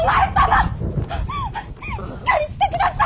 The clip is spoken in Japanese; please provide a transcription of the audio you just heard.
しっかりしてください！